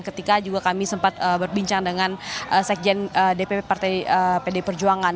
ketika juga kami sempat berbincang dengan sekjen dpp partai pd perjuangan